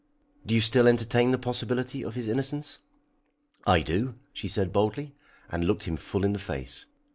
"Do you still entertain the possibility of his innocence?" "I do," she said boldly, and looked him full in the face.